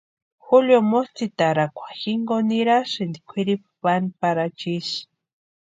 Julio motsitarakwa jinkoni nirasïnti kwʼiripuni pani Parachu isï.